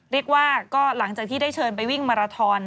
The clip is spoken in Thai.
เรียกว่าก็หลังจากที่ได้เชิญไปวิ่งมาราทอน